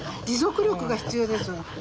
持続力が必要ですわ。